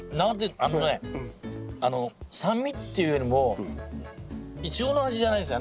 あのね酸味っていうよりもイチゴの味じゃないですね。